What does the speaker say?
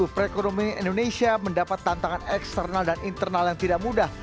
perekonomian indonesia mendapat tantangan eksternal dan internal yang tidak mudah